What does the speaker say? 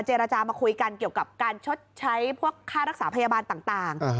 เจรจามาคุยกันเกี่ยวกับการชดใช้พวกค่ารักษาพยาบาลต่าง